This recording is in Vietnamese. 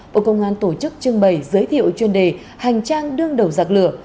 bộ công an tổ chức trưng bày giới thiệu chuyên đề hành trang đương đầu giặc lửa